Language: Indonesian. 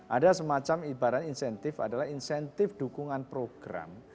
ada semacam ibaratnya insentif adalah insentif dukungan program